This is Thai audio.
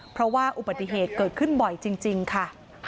เพราะว่าอุบัติเหตุเกิดขึ้นบ่อยจริงค่ะ